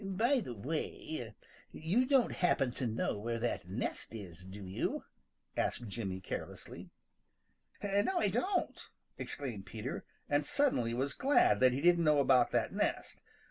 "By the way, you don't happen to know where that nest is, do you?" asked Jimmy carelessly. "No, I don't!" exclaimed Peter, and suddenly was glad that he didn't know about that nest.